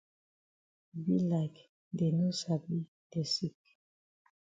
E be like dey no sabi de sick.